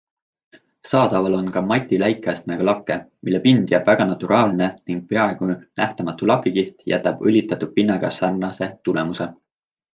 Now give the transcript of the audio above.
Saadaval on ka mati läikeastmega lakke, mille pind jääb väga naturaalne ning peaaegu nähtamatu lakikiht jätab õlitatud pinnaga sarnase tulemuse.